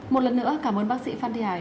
một lần nữa cảm ơn bác sĩ phan đình hải